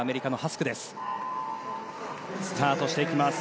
スタートしていきます